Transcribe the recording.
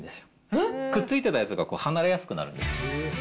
くっついてたやつが離れやすくなるんです。